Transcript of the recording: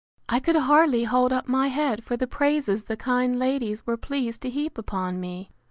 I could hardly hold up my head for the praises the kind ladies were pleased to heap upon me.